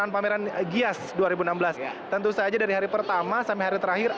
pameran gias dua ribu enam belas tentu saja dari hari pertama sampai hari terakhir